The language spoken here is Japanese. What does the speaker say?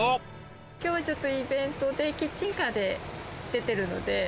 きょうはちょっとイベントで、キッチンカー？